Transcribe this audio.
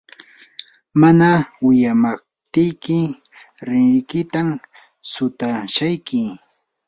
mana wiyamaptiyki rinrikitam sutashayki.